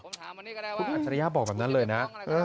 อัจฉริยาบอกแบบนั้นเลยนะ